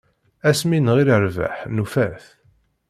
Ass mi nɣil rrbeḥ nufa-t.